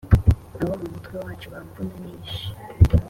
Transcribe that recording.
Abo mu mutwe wacu bamvuna nishe.